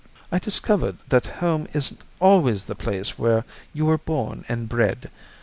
I discovered that home isn't always the place where you were born and bred.